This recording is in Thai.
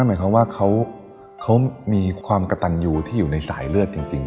หมายความว่าเขามีความกระตันอยู่ที่อยู่ในสายเลือดจริง